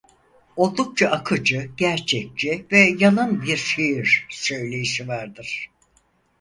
Oldukça akıcı gerçekçi ve yalın bir şiir söyleyişi vardır.